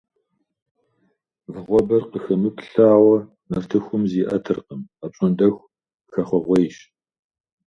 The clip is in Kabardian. Вагъуэбэр къыхэмыплъауэ нартыхум зиӀэтыркъым, апщӀондэху хэхъуэгъуейщ.